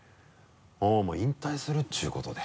まぁ引退するっていうことで。